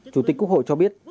chủ tịch quốc hội cho biết